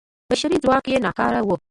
بشري ځواک یې ناکاره و.